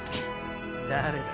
誰だ？